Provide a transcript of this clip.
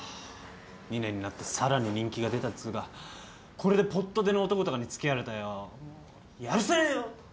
２年になってさらに人気が出たっつうかこれでぽっと出の男とかに付き合われたらよやるせねえよ。